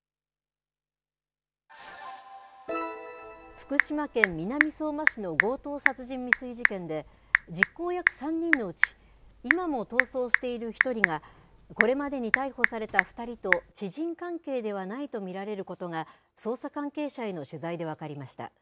福島県南相馬市の強盗殺人未遂事件で、実行役３人のうち、今も逃走している１人が、これまでに逮捕された２人と知人関係ではないと見られることが、捜査関係者への取材で分かりました。